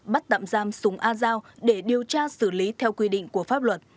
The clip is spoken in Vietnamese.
bắt tạm giam súng a giao để điều tra xử lý theo quy định của pháp luật